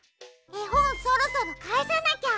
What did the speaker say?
えほんそろそろかえさなきゃ。